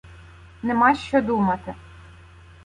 — Нема що думати.